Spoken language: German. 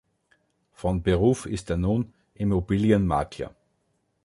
Von Beruf ist er nun Immobilienmakler.